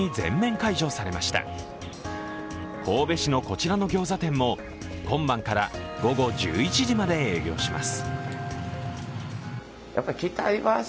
神戸市のこちらのギョーザ店も今晩から午後１１時まで営業します。